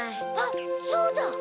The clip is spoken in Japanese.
あっそうだ！